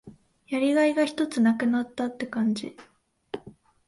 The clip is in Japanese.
やりがいがひとつ無くなったって感じ。